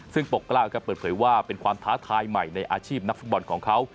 ซึ่งปกเกล้าครับเปิดเผยว่าเป็นความท้าทายใหม่ในอาชีพนักฟุตบอลของเขา